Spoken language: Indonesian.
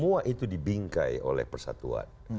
karena itu dibingkai oleh persatuan